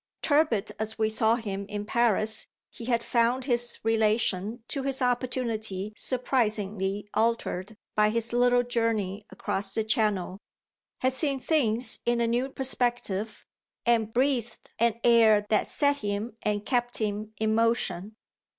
Tepid as we saw him in Paris he had found his relation to his opportunity surprisingly altered by his little journey across the Channel, had seen things in a new perspective and breathed an air that set him and kept him in motion.